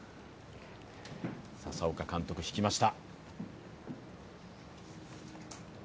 佐々岡監督、引きました。